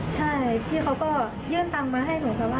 ใช่พี่เขาก็เยื่อนตังมาให้หนู